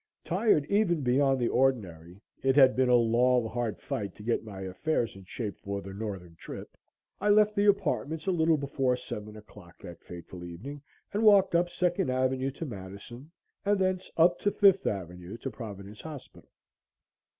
Tired even beyond the ordinary it had been a long, hard fight to get my affairs in shape for the northern trip I left the apartments a little before seven o'clock that fateful evening and walked up Second Avenue to Madison and thence up to Fifth Avenue to Providence Hospital.